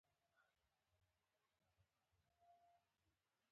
هغه پوهېده چې په چانټه کې څه شي دي، نور هېڅ ونه شول.